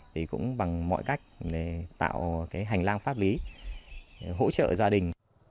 thì cũng bằng mọi cách để tạo cái hành lang pháp lý hỗ trợ gia đình